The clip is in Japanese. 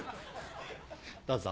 どうぞ。